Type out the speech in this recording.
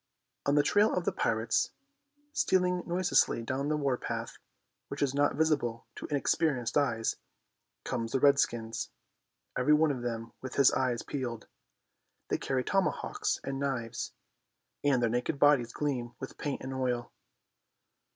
On the trail of the pirates, stealing noiselessly down the war path, which is not visible to inexperienced eyes, come the redskins, every one of them with his eyes peeled. They carry tomahawks and knives, and their naked bodies gleam with paint and oil.